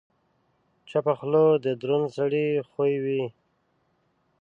چپه خوله، د دروند سړي خوی دی.